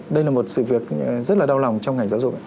đây là một sự việc rất là đau lòng trong ngành giáo dục